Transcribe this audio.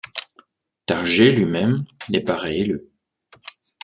Target lui-même n'est pas réélu.